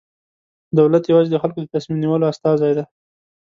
دولت یوازې د خلکو د تصمیم نیولو استازی دی.